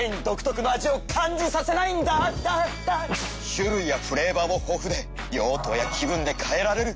種類やフレーバーも豊富で用途や気分で変えられる！